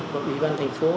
bộ ủy ban thành phố